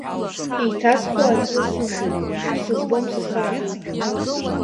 Еиҭаскуа акгьы сымам, бсызбом сызхара.